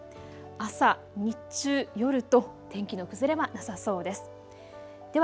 朝、日中、夜と天気の崩れはなさそうです。